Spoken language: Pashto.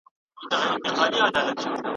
دارغنداب سیند د دوام لپاره همکارۍ ته اړتیا ده.